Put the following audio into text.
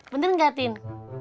bener gak tin